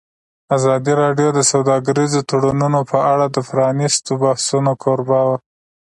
ازادي راډیو د سوداګریز تړونونه په اړه د پرانیستو بحثونو کوربه وه.